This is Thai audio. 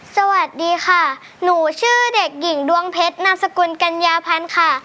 สวัสดีค่ะหนูชื่อเด็กหญิงดวงเพชรนามสกุลกัญญาพันธ์ค่ะ